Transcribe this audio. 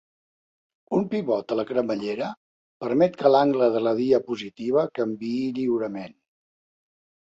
Un pivot a la cremallera permet que l'angle de la diapositiva canviï lliurement.